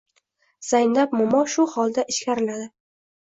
Zaynab momo shu holda ichkariladi.